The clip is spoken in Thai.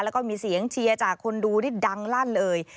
แล้วก็มีเสียงเชียร์จากคนดูนี่ดังลั่นเลย